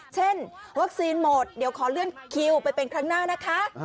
เช่นวัคซีนหมดเดี๋ยวขอเลื่อนคิวไปเป็นครั้งหน้านะคะ